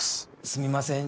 すみません。